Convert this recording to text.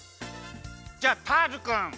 じゃあターズくん。